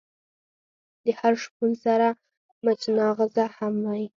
د هر شپون سره مچناغزه هم وی.